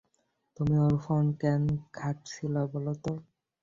তুমি ওর ফোন কেন ঘাঁটছিলে, বলো তো?